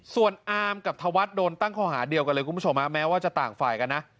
ส่วนอามกับธวัฒน์โดนตั้งข้อหาเดียวกันเลยคุณผู้ชมแม้ว่าจะต่างฝ่ายกันนะ